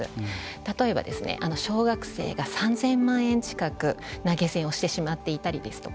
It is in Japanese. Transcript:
例えば、小学生が３０００万円近く投げ銭をしてしまっていたりですとか